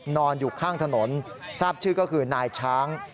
นอนอยู่ข้างถนนทราบชื่อก็คือนายช้าง